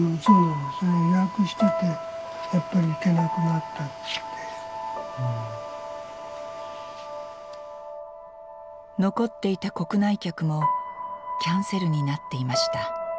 残っていた国内客もキャンセルになっていました。